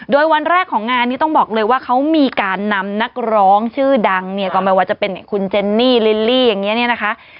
โดยวันแรกของงานนี้ต้องบอกเลยว่าเขามีการนำนักร้องชื่อดังเนี่ยก็ไม่ว่าจะเป็นคุณเจนนี่ลิลลี่อย่างนี้เนี่ยนะคะ